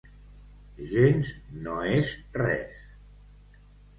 Gens no és res.